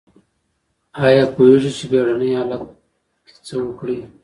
ایا پوهیږئ چې بیړني حالت کې څه وکړئ؟